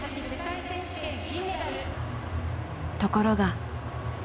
ところが。